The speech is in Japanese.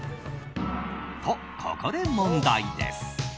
と、ここで問題です。